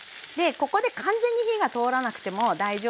ここで完全に火が通らなくても大丈夫です。